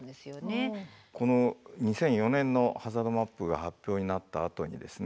この２００４年のハザードマップが発表になったあとにですね